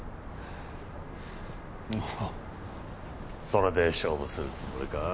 それで勝負するつもりか？